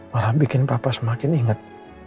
warah bikin papa semakin inget